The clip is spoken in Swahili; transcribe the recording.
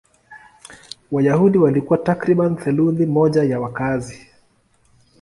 Wayahudi walikuwa takriban theluthi moja ya wakazi.